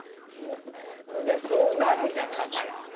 そうなるじゃん、だから。